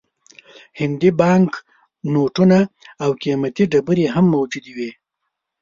هندي بانک نوټونه او قیمتي ډبرې هم موجودې وې.